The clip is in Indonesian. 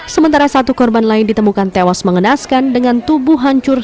sementara satu korban lain ditemukan tewas mengenaskan dengan tubuh hancur